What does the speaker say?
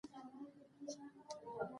میرمنې باید خپلواکې شي.